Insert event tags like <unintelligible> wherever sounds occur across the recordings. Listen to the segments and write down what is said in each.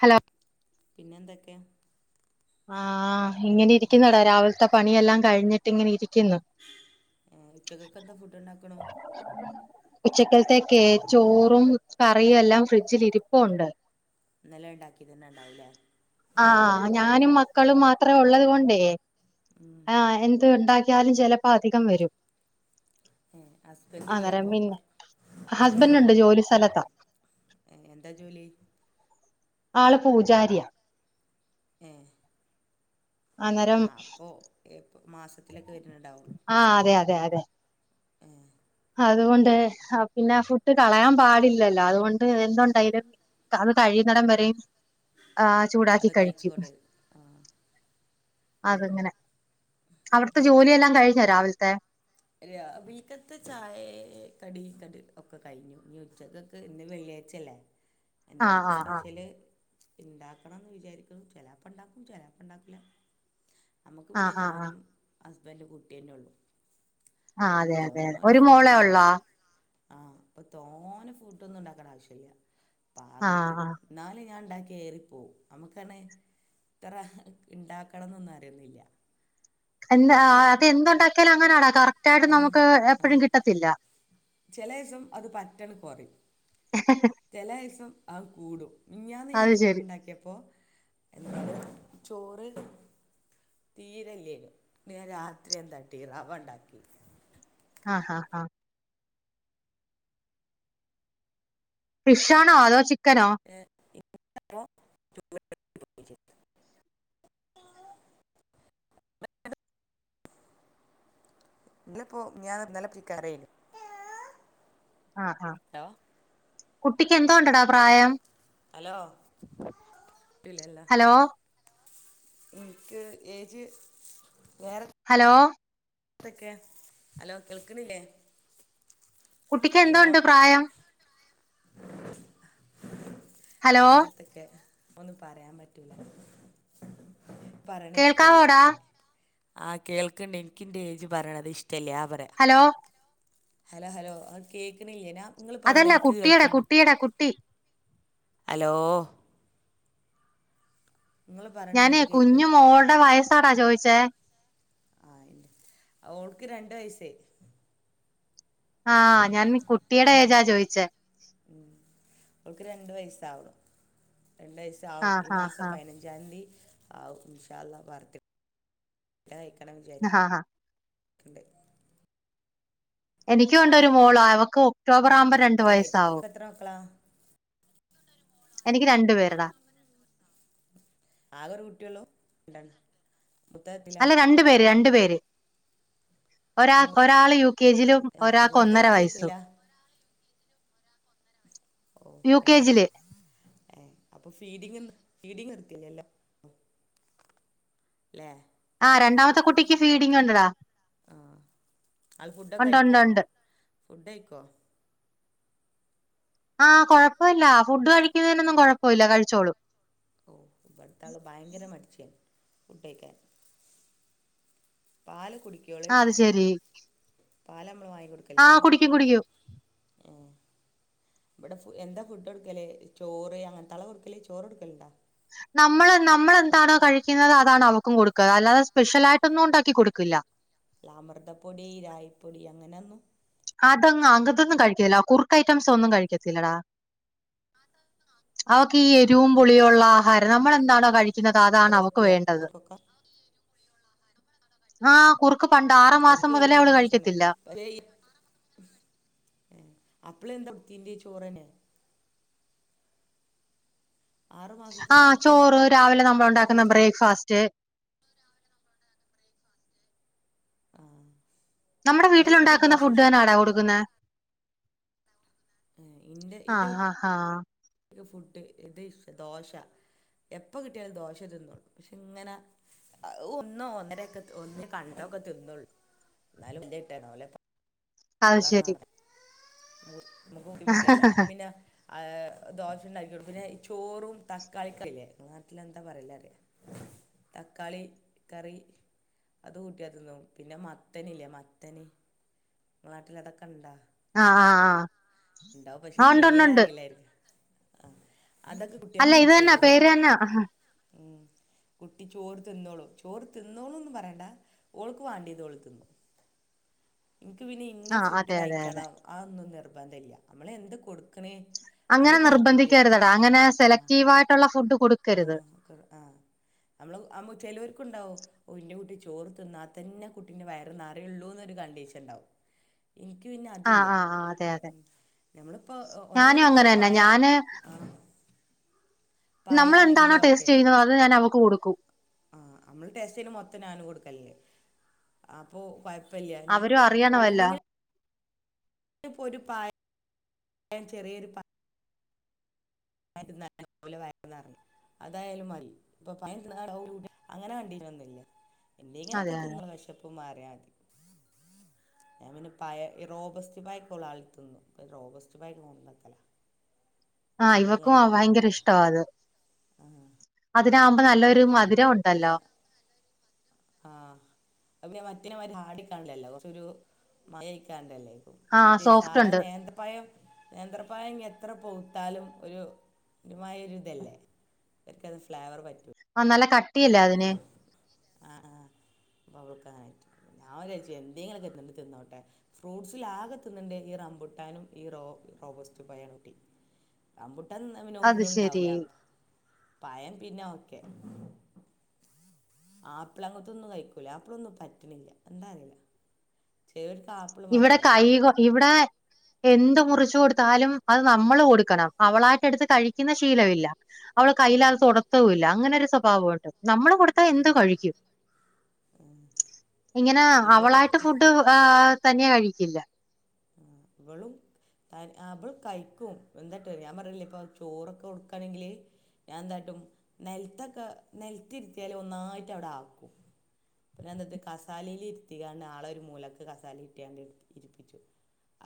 Hello.. പിന്നെ എന്തൊക്കെ? ആഹ് പിന്നെ ഇങ്ങനിരിക്കിന്നെടാ രാവിൽത്തെ പണിയെല്ലാം കഴിഞ്ഞിട്ടിങ്ങനെ ഇരിക്കുന്നു ഏഹ് ഉച്ചക്കക്കെന്താ ഫുഡ്ണ്ടാക്കുണൂ ഉച്ചക്കൽത്തേക്കെ ചോറും കറിയും എല്ലാം ഫ്രിഡ്ജിൽ ഇരിപ്പുണ്ട് ഇന്നലെ ഇണ്ടാക്ക്യെതെന്നെ ഇണ്ടാവൂല്ലേ ആഹ് ആഹ് ഞാനും മക്കളും മാത്രേ ഉള്ളത് കൊണ്ടേ ഉം ആഎന്ത് ഉണ്ടാക്കിയാലും ചിലപ്പോ അധികം വരും. ഹസ്ബൻഡ് ഇല്ല അന്നേരം അപ്പോൾ പിന്നെ വർക്ക് ഹസ്ബന്റുണ്ട് ജോലി സ്ഥലത്താ ഏഎന്താ ജോലി? ആള് പൂജാര്യാ. ഏഹ് അന്നേരം ആഹ്അപ്പോ യെപ്പൊ മാസത്തിലൊക്കെ വര്ന്ണ്ടാവുള്ളൂ. ആഅതെ അതെ അതെ. എ. അതുകൊണ്ട് ആഹ് പിന്നെ ഫുഡ് കളയാൻ പാടില്ലല്ലോ അതുകൊണ്ട് എന്തുണ്ടെയ്ലും അത് കഴിയുന്നെടം വരെയും. ആചൂടാക്കി അത് കഴിക്കും. കഴിച്ചുകൊണ്ട് ആ അത് ഏയ് ങ്ങനെ അവിടത്തെ ജോലിയെല്ലാം കഴിഞ്ഞൊ രാവിൽത്തെ രാവിൽക്കത്തെ ചായേം കടി കട് ഒക്കെ കഴിഞ്ഞു ഇനി ഉച്ചക്കക് ത് ഇന്ന് വെള്ളിയാഴ്ച്ചല്ലേ? <inaudible> എന്തെങ്കിലൊക്കെ ആഹ് ആഹ് സ്പെഷ്യല് ഇണ്ടാക്കണംന്ന് വിചാരിക്കും. ചെലേപ്പണ്ടാക്കും ചെലേപ്പണ്ടാക്കില്ല. നമ്മക്ക് പിന്നെ ആഹ് ആഹ് ആഹ് ഞാനും ഹസ്ബന്റും കുട്ട്യേന്നുള്ളു ആഹ് പിന്നെ അതെ അതെ അതെ തോനെ ഒരു മോളെ ഒള്ളോ ഫുഡ്ഡോന്നുണ്ടാക്കണ്ട ആഹ് പ്പൊ തോനെ ഫുഡോന്നുംണ്ടാക്കണ്ടാവശ്യല്ല ആഹ് പാകത്തിന് ആഹ് ന്നാലും ഞാന്ണ്ടാക്കിയാ ഏറിപ്പോവും നമുക്കണ് ഇത്ര ണ്ടാക്കണംന്നൊന്നും അറിയുന്നില്ല എ ആ ചിലപ്പോൾ അതെന്തുണ്ടാക്കിയാലും അങ്ങനാടാ കറക്റ്റ് ആയിട്ട് നമുക്ക് എപ്പഴും കിട്ടത്തില്ല ചിലേസം അത് പറ്റണ് കൊറയും ചെലേസം ആത് കൂടും മിൻഞ്ഞാന്ന് ഞാൻ അത് ശരി ചോറ്ണ്ടാക്കിയപ്പോ എ ചോറ് തീരെല്ലേനു പിന്നെ ഞാൻ രാത്രി എന്താട്ടി റവണ്ടാക്കി ആഹ് ഹ ഹ ഫിഷാണോ അതോ ചിക്കനോ <unintelligible> <inaudible> ഇതിലപ്പോ ഞാൻ ഇന്നലെ <unintelligible> ആഹ് ആഹ് ഹലോ കുട്ടിക്ക് എന്തോണ്ടടാ പ്രായം ഹലോ കിട്ട്ലല്ല ഹലോ ൻക്ക് ഏജ് വേറെ ഹലോ ത്തൊക്കെ ഹലോ കേൾക്ക്‌ണില്ലേ കുട്ടിക്കെന്തോണ്ട് പ്രായം ഹലോ വേറെത്തൊക്കെ ഒന്നും പറയാൻ പറ്റില്ല പറയ്ണിഷ്ടല്ല കേൾക്കാവോടാ ആഹ് കേൾക്ക്‌ണ്ടിൻക്കിന്റെജ് പറയണത്ഷ്ടല്ലാ പറയ ഹലോ ഹല ഹലോ അത് കേക്കണില്ലേനാ അതല്ല കുട്ടിയുടെ കുട്ടിയുടെ കുട്ടി ഹലോ നിങ്ങൾ പറയണ ഞാനേ ഇങ്ങോട്ട് കുഞ്ഞു കേൾക്കണ്ട മോളുടെ വയസ്സാടാ ചോദിച്ചേ ആഹ് ഈ ഓൾക്ക് രണ്ട് വയസ്സേ ആഹ് ഞാൻ കുട്ടിയുടെ ഏജാ ചോയിച്ചേ ഉം ഓൾക്ക് രണ്ട് വയസ്സാവാ രണ്ട് വയസ്സാവും ഈ ആഹ് ആഹ് മാസം ആഹ് പയ്നഞ്ച ഞ്ചാന്തി ആവും ഇൻഷാഅല്ലാഹ് ബർത്ത് ടേ കയ്ക്കണം വിചാ ആഹ് <unintelligible> എനിക്കൂണ്ടൊരു മോള് അവക്ക് ഒക്ടോബർ ആവുമ്പോ രണ്ടു ക്ലാസ്സിൽ കഴിച്ചു വയസ്സാവും നിങ്ങൾക്ക് എത്ര മക്കളാ എനിക്ക് രണ്ടു പേരെടാ <unintelligible> ആകൊരു കുട്ടിയൊള്ളൂ അല്ല രണ്ടു പേര് രണ്ടു പേര് ഒരാ മൂ ഒരാള് യു കെ ജിലും ആ ഒരാക്ക് മൂത്ത ഒന്നര കുട്ടി വയസ്സും എത്തില്ല ഓ യു കെ പെട്ടെന്ന് ജിയില് ഏ അപ്പൊ ഫീഡിങ് ഫീഡിങ് നിർത്തില്ലല്ലോ ല്ലേ ആഹ് രണ്ടാമത്തെ കുട്ടിക്ക് ഫീഡിംഗ്ണ്ട്ടാ ആഹ് അത് ഫുഡൊക്കെ ഉണ്ട് ഉണ്ട് കഴിക്കോ ഉണ്ട് ഫുഡയ്ക്കോ ആഹ് കുഴപ്പമില്ല ഫുഡ് കഴിക്കുന്നതിനൊന്നും കുഴപ്പമില്ല കഴിച്ചോളും ഓ ഇവ്ട്ത്താള് ഭയങ്കര മടിച്ചിയാണ് ഫുഡ്ഡയ്ക്കാന് പല് കുടിക്കോള് ആ അത് പാലമ്മള് വാങ്ങിക്കൊടുക്ക ആഹ് കുടിക്കും കുടിക്കും ഇവിടെ ഫു എന്താ ഫുഡ്‌ടുക്കലേ ചോറ് അങ്ങൻതളാ കൊടുക്കല് ചോറ്ടുക്കലുണ്ടാ നമ്മള് നമ്മളെന്താണോ കഴിക്കുന്നത് അതാണ് അവർക്കും കൊടുക്ക അല്ലാതെ സ്പെഷ്യൽായിട്ടൊന്നുംണ്ടാക്കി കൊടുക്കില്ല അമൃതപ്പൊടി ഇ രായിപ്പൊടി അങ്ങനെന്നു അതങ്ങ് അങ്‌തൊന്നും കഴിക്കില്ല കുർക്ക് ഐറ്റംസൊന്നും കഴിക്കത്തില്ലടാ അതൊന്ന് ന്നാ അവക്കി യെ രും പുളിയുള്ളാഹാരം നമ്മൾെന്താണോ കഴിക്കുന്നത് ഒക്കെ അതാണ് അവക്ക് നിർത്തിയാ വേണ്ടത് കുറൊക്കെ ആഹ് കുറുക്ക് പണ്ട് ആറു അവൾക്ക് മാസം എരിവും മുതലേ അവള് പുളിയും കഴിക്കത്തില്ല <unintelligible> അപ്പള് എന്താ <unintelligible> ചോറന്നെ ആറു മാസത്തിന് ആഹ് അപ്പള് ചോറ് രാവിലെ എന്താ നമ്മളുണ്ടാക്കുന്ന കൊടുത്തി ബ്രേക്ക്ഫാസ്റ്റ് ആഹ് നമ്മടെ വീട്ടിലുണ്ടാക്കുന്ന ഫുഡ് തന്നാ ടാ കൊടുക്കുന്നെ ആഹ് ഇന്റെ ഇന്റെ കുട്ടി ആഹ് ഇ ഫുഡ് ഇത് ഇ ദോശ എപ്പ കിട്ടിയാലും ദോശ തിന്നോള്ളു ക്ഷെങ്ങനെ അഹ് ഒന്നോ ഒന്നരൊക്കെ ഒന്ന് കണ്ടൊക്കെ തിന്നള്ളൂ എന്നാലും ഇ ഇട്ടണോലെ അത് ശരി ള്ളാനറയ അഹ് ബുദ്ധിമുട്ടില്ലോ അഹ്‌ പിന്നെ അഹ് ദോഷ്യുണ്ടാക്കി കൊടുക്കല് ന്നെ ഈ ചോറും തക്കാളി കറില്ലേ ഇങ്ങടെ നാട്ടിൽ എന്താ പറയല്ലല്ലേ <inaudible> തക്കാളി കറി അത് കൂട്ട്യാ തിന്നും പിന്നെ മത്തനില്ലേ മത്തന് നാട്ടിലാതൊക്കെണ്ടാ ആഹ് അഹ് ണ്ടാവും പക്ഷെ പേരറിയില്ലായിരുന്ന് ആഹ് അതൊക്കെ കുട്ടിയാ അല്ല കുട്ടി ഇത് തന്നെ ചോറ് വയ്‌ പേര് തന്നെ ഉം കുട്ടി ചോറ് തിന്നോള്ളൂ ചോറ് തിന്നോന്നൊന്നും പറയണ്ട ഓൾക്ക് വാണ്ടിത് ഓള് തിന്നു. ഇൻക്ക് പിന്നെ ഇന്ന ആ ഫുഡ് അതെ അതെ അതെ കഴിക്കണം അതൊന്നും നിർബന്ധ ഇല്ല നമ്മള് എന്ത് കൊടുക്കണ് അത് അങ്ങനെ കഴിച്ചിട്ടിയ നിർബന്ധിക്കരുതടാ അങ്ങനെ ആഹ് സെലക്റ്റീവ് ആയിട്ടുള്ള ഫുഡ് കൊടുക്കരുത് ആഹ് ആഹ് നമ്മള് അമു ചെലോർക്കുണ്ടാവും ഓ ഇന്റെ കുട്ടി ചോറ് തിന്നാൽത്തന്നെ കുട്ടിന്റെ വയറ് നെറയുള്ളൂന്നൊരു കണ്ടീഷൻണ്ടാവും. എനിക്ക് പിന്നെ ആ അതില്ല്യ ആ ആ അതെ അതെ ഉം ഞമ്മളിപ്പോ ഒ ഒന്നെങ്കിൽ ഞാനും ഇപ്പോ അങ്ങനെ ഒരു തന്നെ പായേം ഞാന് ആ നമ്മൾെന്താണോ ഒക്കെ ടേസ്റ്റ് ചെയ്യുന്നത് അത് ഞാൻ അവക്ക് കൊടുക്കൂ. ആഹ് അമ്മള് ടെസ്റ്റ് ചെയ്യണ മൊത്തം ഞാന് കൊടുക്കൽന്. അപ്പൊ കുയപ്പില്ല അവരും ഞമ്മള്പ്പോ അറിയണമല്ലോ ഓന്ന്ങ്ൽ ന്പ്പൊരു പായ <inaudible> ചെറിയൊരു പാ <unintelligible> നല്ല പോലെ <unintelligible> അതായാലും മതി ഇപ്പൊ <unintelligible> അങ്ങനെ കണ്ടീനൊന്നില്ല്യ. അതെ എന്തെങ്ങിലൊക്കെ അതെ തിന്ന് വെശപ്പുമാറിയാതി. ഞാൻ പിന്നെ പയ ഈ റോബസ്റ്റ് പയക്കൊള്ള ആള് തിന്നും റോബസ്റ്റ് പയന്നാക്കല. ആഹ് ഇവക്കും അ വയങ്കര വേണ്ടല്ലോ ഇഷ്ടാവത്. അതിനാവുമ്പോ നല്ലൊരു മതി പിഞ്ഞാ ആഹ് അത്പിന്നെ മറ്റിനെമാര് ഹാർഡിക്കാണുലല്ലോ കൊച്ചൊരു മയയ്കാണ്ടല്ലേ? ആഹ് മറ്റേ സോഫ്റ്റ് സാധ ഉണ്ട് നേന്തപ്പയം നേന്ത്രപയം ഇഞ്ഞ് എത്ര പൂത്താലും ഒരു ഒരുമായൊരിതല്ലേ? എനിക്കത് ഫ്ലേവർ പറ്റു ആഹ് നല്ല കട്ടിയല്ലേ അതിന്? ആഹ് ആഹ് അപ്പ അവൾക്കങ്ങനായിട്ട് ഞാൻ വിചാരിച്ചു എന്തെങ്കിലൊക്കിരുന്നോണ്ട് തിന്നോട്ടെ. ഫ്രൂട്ട്സിൽ ആകെ തിന്നുണ്ടെ ഈ റമ്പുട്ടാനും ഈ റോ റോബസ്റ്റ പയാണ് കുട്ടി. റമ്പൂട്ടാൻന്ന് പിന്നെ അത് ശരി ഒന്നുണ്ടാവൂല പയം പിന്നെ ഓക്കെ. ആപ്പിള് അങ്ങത്തൊന്നും കയിക്കൂല ആപ്പിളൊന്നും പറ്റണില്ല എന്താറീല. ചേ ഇവടെ കയ്കൊ ഇവടെ എന്ത് മുറിച്ചു കൊടുത്താലും അത് നമ്മൾ കൊടുക്കണം. അവളായിട്ടെട്ത്ത് കഴിക്കുന്ന ശീലമില്ല. അവള് കയ്യിലത് തൊടത്തവൂല്ല അങ്ങനെ ഒരു സ്വഭാവൊണ്ട്. നമ്മള് കൊടു ത്ത എന്ത് കഴിക്കും ഇങ്ങനെ ഇവള് അവളായിട്ട് ഫുഡ് ആഹ് തനിയെ കഴിക്കില്ല. ഉം ഇവളും ത ആഹ് ഇവള് കഴിക്കും എന്താട്ട് ഞാൻ പറഞ്ഞില്ലെ ഇപ്പൊ ചോറൊക്കെ കൊടുക്കാണെങ്കില് ഞാൻ ന്തായിട്ടും നെലത്തൊക്കെ നെലത്തിരുത്തിയാല് ഒന്നായിട്ട് അവിടെ ആക്കും. പിന്നെ എന്തത് കസാലിൽ ഇരിതികാണ്ട് ആളെ ഒരു മൂലക്ക് കസാലി ഇട്ടിയാണ്ട് ഇരിപ്പിച്ചും.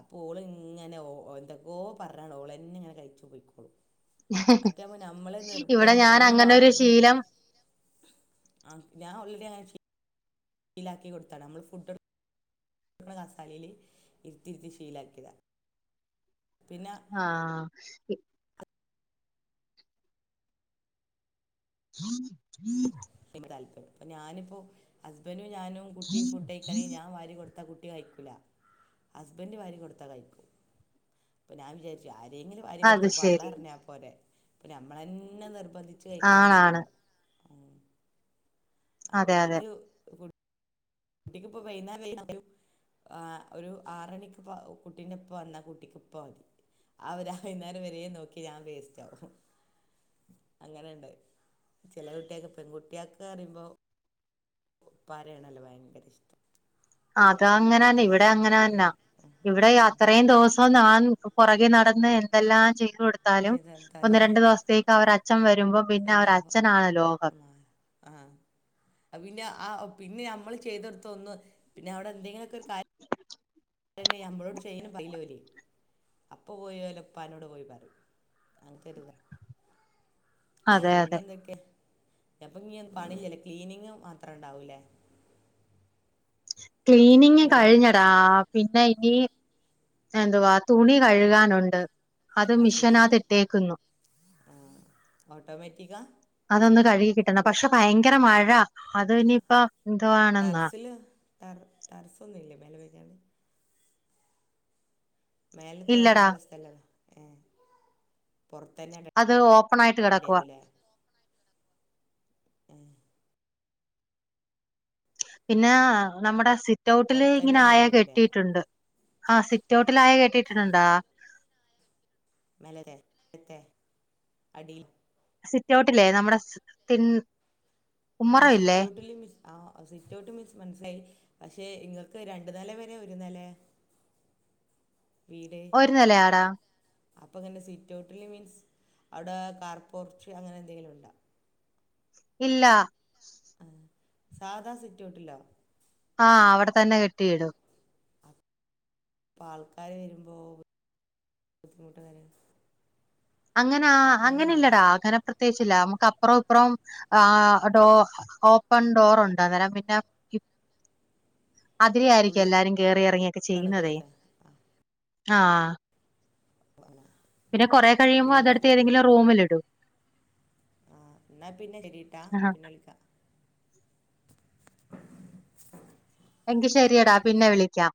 അപ്പൊ ഓള് ഇങ്ങനെ ഓ എന്തൊക്കോ പറഞ്ഞാണ്ട് ഓളെന്നെ ഇങ്ങനെ കഴിച്ചു പൊയിക്കോളും. മറ്റാവുമ്പ നമ്മള് ഇവിടെ നിർബന്ധിച്ച് ഞാൻ നമ്മള് വാ അങ്ങനെ ഒരു ശീലം ആഹ് ഞാൻ ഓൾ റെഡി അങ്ങനെ ചെയ് ശീലാക്കി കൊടുത്താണ് ഞമ്മള് ഫുഡൊ ടക്ക്ണ കസാലീല് ഇര്ത്തിര്ത്തി ശീലാക്കിയതാ. പിന്നാ ആഹ് പി <unintelligible> താല്പര്യം ഞാനിപ്പോൾ ഹസ്ബന്റും ഞാനും കുട്ടിയും ഫുഡ് കയ്ക്കാണെ ഞാൻ വാരി കൊടുത്ത കു ട്ടി കയ്കൂല ഹസ്ബന്റ് വാരി കൊടുത്താ കയിക്കും. പ്പം ഞാൻ വിചാരിചും ആരെങ്കിലും വാരി കൊടുത്ത് അത് ശരി പള്ളറഞ്ഞാപോരെ ഇപ്പം നമ്മളന്നെ നിർബന്ധിച്ച് ച്ച് ആണാണ് കയ്ക്കണന്നില്ലല്ലൊ ആഹ് അ അതെ അതെ കുട്ടിക്ക് ഫുഡ് കുട്ടിക്ക്പ്പം വെയ്ന്ന <unintelligible> ആഹ് ഒരു ആറണിക്ക് പ്പ കുട്ടിൻ്റപ്പ വന്നാ കുട്ടിക്ക്പ്പ മതി ആഹ് ഒര ഹൈന്നാരം വരേ നോക്യെ ഞാൻ വേസ്റ്റാവും അങ്ങനെണ്ട് ചെലെ കുട്ട്യാക്ക് പെങ്കുട്ട്യാക് അറിമ്പം ഇപ്പാര്യാണല്ലൊ ഭയ്ങ്കരഷ്ടം അത അങ്ങനന്നെ ഇവിടെ അങ്ങനെന്ന ഇവിടെ അത്രേം ദോസ് പ്പം ഞാൻ പൊറകെ നടന്ന് എന്തെല്ലാം ചെയ്ത് കൊടുത്താലും ഒന്ന് ചെയ്തെടുത്താലും രണ്ട് ദൊവ്സത്തേ ന്നെ അവരെ അച്ഛൻ വരുമ്പം പിന്ന അവരെ അച്ഛനാണ് ലോകം ആഹ് അ പിന്നെ ആഹ് പിന്നെ ഞമ്മള് ചെയ്തൊട്ത്തൊന്നും പിന്നെ അവിടെ എന്തേലൊക്കെ കാര്യ <unintelligible> പിന്നെ നമ്മളോട് ചെയ്യണപ്പലോലി അപ്പ പോയി ഓലപ്പാനോട് പോയി പറിം അങ്ങൻത്തെരുതാ അതെ അതെ പിന്നെന്തൊക്കെ പ്പഞ്ഞ് പണില്ലലെ ക്ലീനിങ് മാത്രണ്ടാവുലേ ക്ലീനിങ് ക്ലീ കഴിഞ്ഞ താ പിന്നെ ഇനി എന്തുവാ തുണി കഴുകാനൊണ്ട് വാഷിംഗ് മഷീനിൽ ആഹ് ഓട്ടോമേറ്റിക്കാ അതൊന്ന് കഴുകി കിട്ടണം പഷെ ഭയ്ങ്കര മഴ അത് ഇനിയിപ്പ എന്തുവാ ടറസില് ടറ് ടെറ്സൊന്നുല്ലെ മേലെ വേക്കാണ് മേലെ ഇല്ലടാ തോര്ടാള്ള സ്ഥലോ ഏഹ് പൊർത്തെന്നെ അത് ഓപ്പൺ ആയിട്ട് കിടക്കുവാ ഏണ്ട്യെരുലേ ഏഹ് പിന്നാ നമ്മുടെ സിറ്റ് ഔട്ടില് പുറത്തന്നെ ഇങ്ങനെ അയ ഇടേണ്ടി വരൂല്ലേ കെട്ടീട്ടുണ്ട് ആഹ് സിറ്റൗട്ടിലയ കേട്ടീട്ടുണ്ടാ മേലത്തെ ട്ത്തെ അടീ സിറ്റ് ഔട്ട്ല്ലേ നമ്മുടെ സ് തിൻ ആഹ് ഉമ്മറം ഇല്ലേ സിറ്റ് ഔട്ടില് മീൻസ് ആഹ് സിറ്റ് ഔട്ട് മീൻസ് മൻസ്ലായി പഷെ ഇങ്ങക്ക് രണ്ട് നെലെ പരെ ഒര് നെലേ വീട് ഒരു നിലയാടാ അപ്പങ്ങനെ സിറ്റ് ഔട്ടില് മീൻസ് അവ്ടെ കാർപൊർച്ചു അങ്ങനെ എന്തെങ്കിലുണ്ടോ ഇല്ല ആഹ് സാധാ സിറ്റോട്ടില്ലോ ആഹ് അവ്ടെ തന്നെ കെട്ടിയിടും പ്പ ആൾക്കാര് വരുമ്പോ ബുദ്ധിമുട്ടല്ലെ അങ്ങനാ അങ്ങനെ ഉണ്ടാവില്ലേ ഇല്ലടാ കാര്ണം പ്രത്യേച്ചില്ല നമുക്ക് അപ്പറൊം ഇപ്പറൊം ആഹ് ഡോ ഓപ്പൺ ഡോറൊണ്ട് അന്നെരം പിന്നെ അതിലെ ആയ്രിക്കും ഉള്ളിക്കാണ് എല്ലാരും കേറിയെറങ്ങ്യൊക്കെ ചെയ്യുന്നതേ കൊരുത്ത ആ ആഹ് <unintelligible> പിന്നെ കൊറെ കഴിമ്പോ ബുദ്ധിമുട്ടായിട്ട് അതെടുത്ത് ഇങ്ങനെ ഏതെങ്കിലും റൂമിലിടും ആഹ് ഇന്നാൽ പിന്നെ ശരിട്ടാ ആഹാ. പിന്നെ വിളിക്കാ എങ്കി ശെരിയെടാ പിന്നെ വിളിക്കാ